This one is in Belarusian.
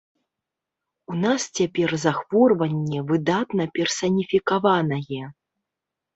У нас цяпер захворванне выдатна персаніфікаванае.